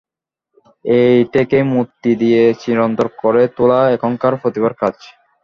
এইটেকেই মূর্তি দিয়ে চিরন্তন করে তোলা এখনকার প্রতিভার কাজ।